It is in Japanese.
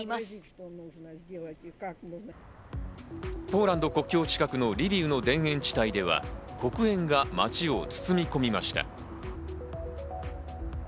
ポーランド国境近くのリビウの田園地帯では黒煙が街を包み込みました。